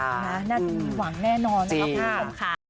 นั่นมีหวังแน่นอนนะครับคุณผู้ชมค่ะ